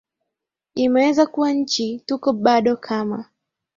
imeweza kuwa nchi tuko bado kama